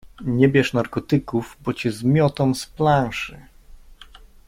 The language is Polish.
Nie bierz narkotyków, bo cię zmiotą z planszy.